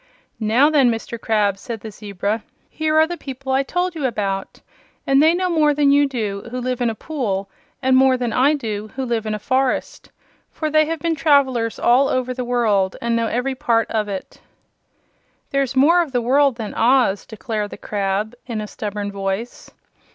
"Now then, Mr. Crab," said the zebra, "here are the people I told you about; and they know more than you do, who lives in a pool, and more than I do, who lives in a forest. For they have been travelers all over the world, and know every part of it." "There is more of the world than Oz," declared the crab, in a stubborn voice.